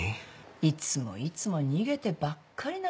「いつもいつも逃げてばっかりなのね。